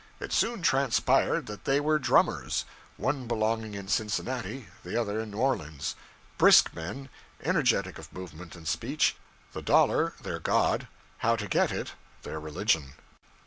It soon transpired that they were drummers one belonging in Cincinnati, the other in New Orleans. Brisk men, energetic of movement and speech; the dollar their god, how to get it their religion.